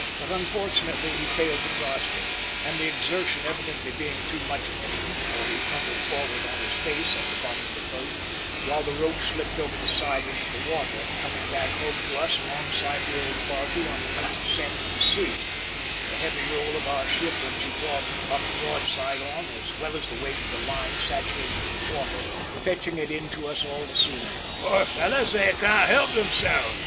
But, unfortunately, he failed to grasp it, and the exertion evidently being too much for him, for he tumbled forward on his face at the bottom of the boat, while the rope slipped over the side into the water, coming back home to us alongside the old barquey on the next send of the sea, the heavy roll of our ship when she brought up broadside on, as well as the weight of the line saturated with water, fetching it in to us all the sooner. "Poor fellows; they can't help themselves!"